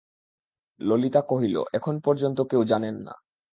ললিতা কহিল, এখন পর্যন্ত কেউ জানেন না।